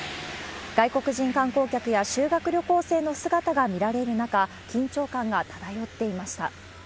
外国人観光客や修学旅行生の姿が見られる中、緊張感が漂っていました。